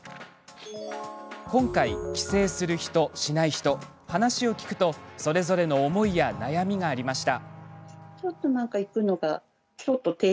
今回、帰省する人、しない人話を聞くと、それぞれの思いや悩みがありました。